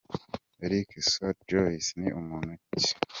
Eric Stuart Joyce ni muntu ki?